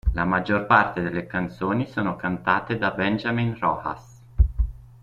La maggior parte delle canzoni sono cantate da Benjamín Rojas.